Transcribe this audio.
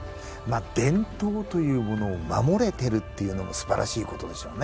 伝統というものを守れてるっていうのもすばらしいことでしょうね。